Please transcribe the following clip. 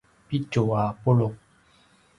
pitju a pulu’